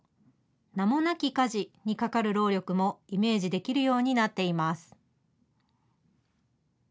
名もなき家事にかかる労力もイメージできるようになっています。